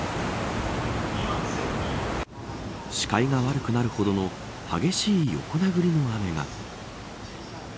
視界が悪くなるほどの激しい横殴りの雨が。